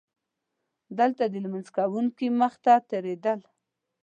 دلته د لمونځ کوونکي مخې ته تېرېدل.